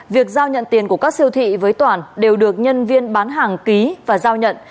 việc giao nhận tiền của các siêu thị với toàn đều được nhân viên bán hàng ký và giao nhận